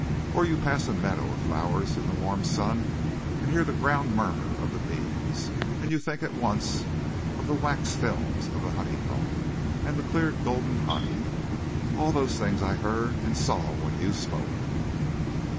Or you pass a meadow of flowers in the warm sun and hear the ground murmur of the bees, and you think at once of the wax films of the honeycomb, and the clear golden honey? All those things I heard and saw when you spoke."